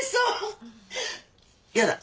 やだ。